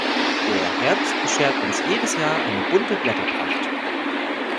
Der Herbst beschert uns jedes Jahr eine bunte Blätterpracht.